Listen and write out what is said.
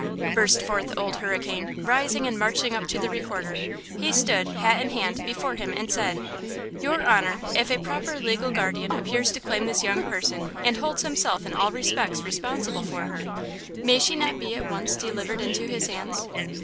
burst forth Old Hurricane, rising and marching up to the Recorder; he stood, hat in hand, before him and said: "Your honor, if a proper legal guardian appears to claim this young person and holds himself in all respects responsible for her, may she not be at once delivered into his hands?"